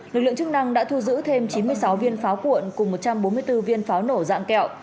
lực lượng chức năng đã thu giữ thêm chín mươi sáu viên pháo cuộn cùng một trăm bốn mươi bốn viên pháo nổ dạng kẹo